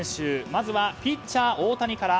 まずはピッチャー大谷から。